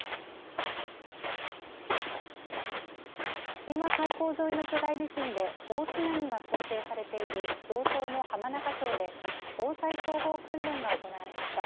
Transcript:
千島海溝沿いの巨大地震で大津波が想定されている道東の浜中町で防災総合訓練が行われました。